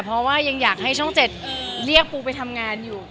เพราะว่ายังอยากให้ช่อง๗เรียกปูไปทำงานอยู่